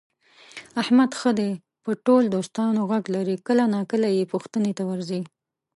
احمد ښه دی په ټول دوستانو غږ لري، کله ناکله یې پوښتنې ته ورځي.